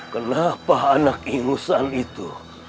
kenapa anak ingusan itu